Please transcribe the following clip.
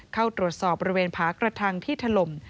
เข้าตรวจสอบบริเวณผากระทังที่ถล่ม